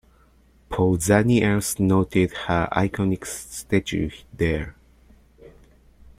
Pausanias noted her iconic statue there.